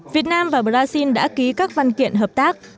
việt nam và brazil đã ký các văn kiện hợp tác